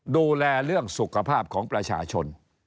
ดูแลเรื่องสุขภาพของประชาชน